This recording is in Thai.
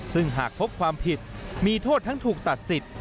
ซึ่งหากพบความผิดมีโทษทั้งถูกตัดสิทธิ์